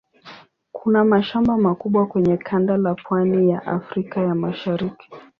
Kuna mashamba makubwa kwenye kanda la pwani ya Afrika ya Mashariki.